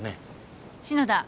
篠田。